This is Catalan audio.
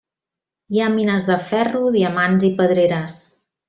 Hi ha mines de ferro, diamants i pedreres.